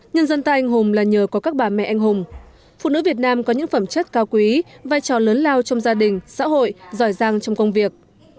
nhân dân ta anh hùng là nhờ có các bà mẹ anh hùng phụ nữ việt nam có những phẩm chất cao quý vai trò lớn lao trong gia đình xã hội giỏi giang trong công việc